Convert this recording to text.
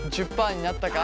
１０％になったか？